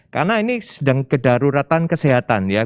karena ini sedang kedaruratan kesehatan ya